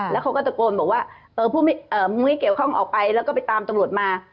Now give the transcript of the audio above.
แล้วเขาก็ตะโกนบอกว่ามึงไม่เกี่ยวข้องออกไปแล้วก็ไปตามตำรวจมา